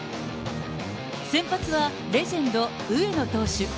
先発はレジェンド、上野投手。